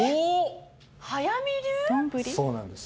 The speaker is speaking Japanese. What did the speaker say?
そうなんです。